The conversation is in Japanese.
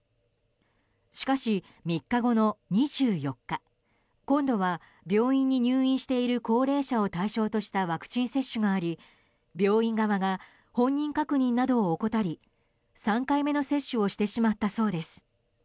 しかし、３日後の２４日今度は病院に入院している高齢者を対象としたワクチン接種があり病院側が本人確認などを怠り３回目の接種をしてしまったそうです。